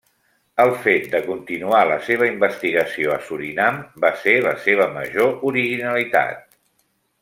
El fet de continuar la seva investigació a Surinam va ser la seva major originalitat.